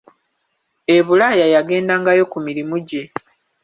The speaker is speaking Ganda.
E bulaaya yagendangayo ku mirimu gye.